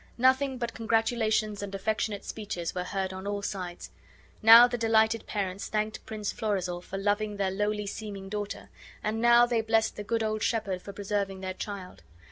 Nothing but congratulations and affectionate speeches were heard on all sides. Now the delighted parents thanked Prince Florizel for loving their lowly seeming daughter; and now they blessed the good old shepherd for preserving their child.